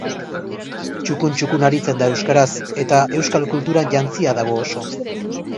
Txukun txukun aritzen da euskeraz eta euskal kulturan jantzia dago oso.